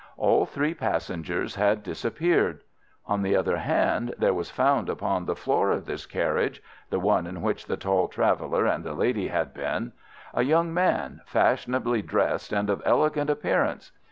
All three passengers had disappeared. On the other hand, there was found upon the floor of this carriage—the one in which the tall traveller and the lady had been—a young man, fashionably dressed and of elegant appearance.